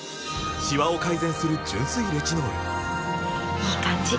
いい感じ！